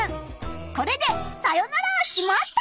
これでさよなら「しまった！」。